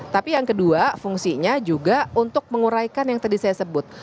tapi yang kedua fungsinya juga untuk menguraikan yang tadi saya sebut